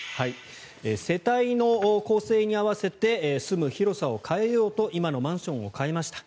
世帯の構成に合わせて住む広さを変えようと今のマンションを買いました。